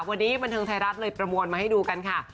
วันนี้บันเทิงไทยรัฐเลยประมวลมาให้ดูกันค่ะ